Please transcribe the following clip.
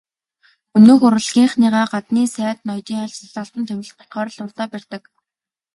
Өнөөх урлагийнхныгаа гаднын сайд ноёдын айлчлал, албан томилолт болохоор л урдаа барьдаг.